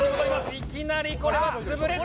いきなりこれは潰れた！